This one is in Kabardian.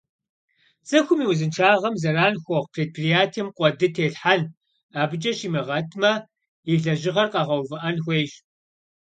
ЦӀыхум и узыншагъэм зэран хуэхъу предприятием къуэды телъхьэн, абыкӀэ щимыгъэтмэ, и лэжьыгъэр къэгъэувыӀэн хуейщ.